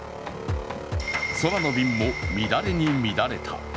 空の便も乱れに乱れた。